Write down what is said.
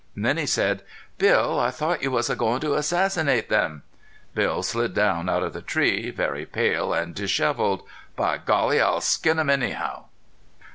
Then he said: "Bill, I thought you was goin' to assassinate them." Bill slid down out of the tree, very pale and disheveled. "By Golly, I'll skin 'em anyhow!"